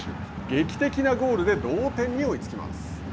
劇的なゴールで同点に追いつきます。